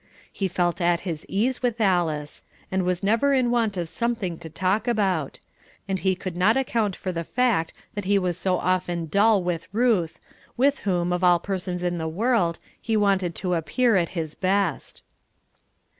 He felt at his ease with Alice, and was never in want of something to talk about; and he could not account for the fact that he was so often dull with Ruth, with whom, of all persons in the world, he wanted to appear at his best.